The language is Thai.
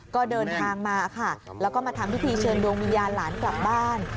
ก็เดินทางมาค่ะแล้วก็มาทำพิธีเชิญดวงวิญญาณหลานกลับบ้าน